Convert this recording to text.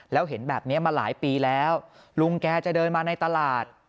แล้วเห็นแบบนี้มาหลายปีแล้วลุงแกจะเดินมาในตลาด